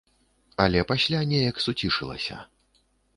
Але пасля неяк суцішылася.